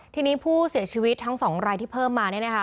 ทีนี้ผู้เสียชีวิตทั้ง๒รายที่เพิ่มมาเนี่ยนะคะ